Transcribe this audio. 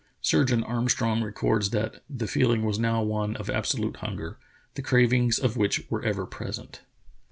Surgeon Armstrong records that "the feel ing was now one of absolute hunger, the cravings of which were ever present.